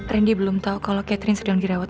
randy belum tahu kalau catherine sedang dirawat